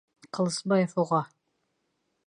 Ҡылысбаев уға: